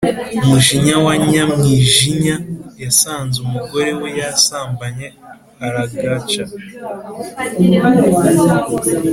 mujinya wa nyamwijinya yasanze umugore we yasambanye aragaca